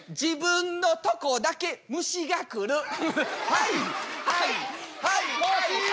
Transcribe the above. はいはいはいはい！